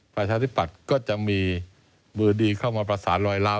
ประชาชนิตปัจก๋ก็จะมีมือดีเข้ามาผสานรอยราว